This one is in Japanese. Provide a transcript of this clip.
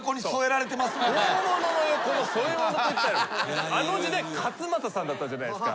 大物の横の添え物といったらあの時代勝俣さんだったじゃないですか。